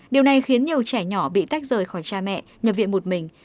điều này khiến nhiều trẻ nhỏ bị tách rời khỏi cha mẹ nhập viện một mình